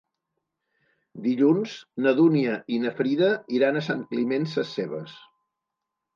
Dilluns na Dúnia i na Frida iran a Sant Climent Sescebes.